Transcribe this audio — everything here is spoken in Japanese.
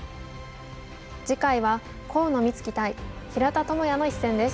次回は河野光樹対平田智也の一戦です。